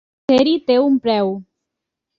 Ser-hi té un preu.